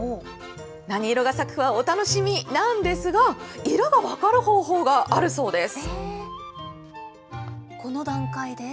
何色が咲くかはお楽しみなんですが、色が分かる方法があるそうです。